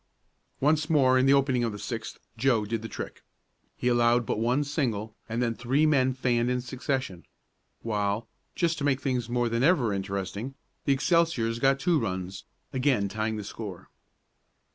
Once more in the opening of the sixth Joe did the trick. He allowed but one single, and then three men fanned in succession, while, just to make things more than ever interesting, the Excelsiors got two runs, again tying the score.